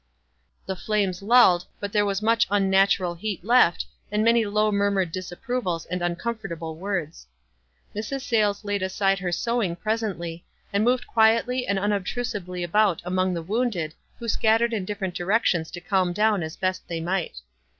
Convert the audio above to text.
The flames lulled, but there was much unnat ural heat left, and many low murmured disap provals and uncomfortable words. Mrs. Sayles laid aside her sewing presently, and moved quietly and unobtrusively about among the wounded, who scattered in different directions to calm down as best they might.